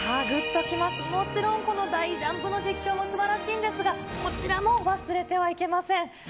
ぐっときます、もちろんこのこの大ジャンプの実況もすばらしいんですが、こちらも忘れてはいけません。